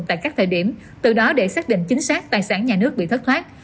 tại các thời điểm từ đó để xác định chính xác tài sản nhà nước bị thất thoát